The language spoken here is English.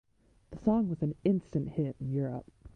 The song was an instant hit in Europe.